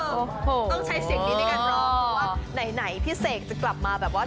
โอ้โหต้องใช้เสียงนี้ในการร้องเพราะว่าไหนพี่เสกจะกลับมาแบบว่า